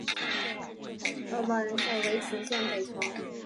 为磁县北朝墓中出土最大的两件。